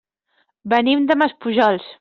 Venim de Maspujols.